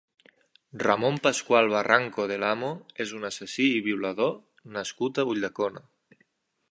Ramon Pascual Barranco del Amo és un assassí i violador nascut a Ulldecona.